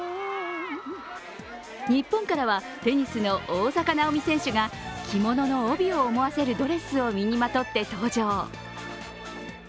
日本からは、テニスの大坂なおみ選手が着物の帯を思わせるドレスを身にまとって登場。